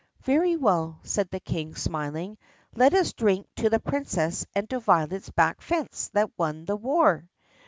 "Very well," said the King smiling. "Let us drink to the Princess and to Violet's back fence that won the war!"